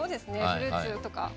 フルーツとか。